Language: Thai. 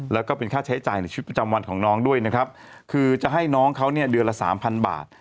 แล้วก็เป็นค่าใช้จ่ายในชีวิตประจำวันของน้องด้วยนะครับคือจะให้น้องเขาเนี่ยเดือนละสามพันบาท